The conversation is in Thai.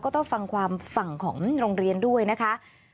ต้องฟังความฝั่งของโรงเรียนด้วยนะคะ